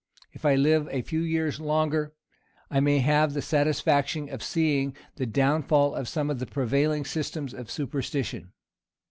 If I live a few years longer, I may have the satisfaction of seeing the downfall of some of the prevailing systems of superstition.